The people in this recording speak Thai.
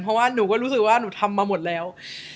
เพราะว่าหนูก็รู้สึกว่าหนูทำมาหมดแล้ว